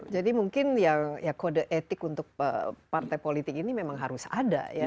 jadi mungkin ya kode etik untuk partai politik ini memang harus ada